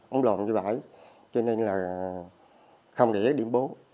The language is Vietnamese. ông lồn như vậy cho nên là không để điểm bố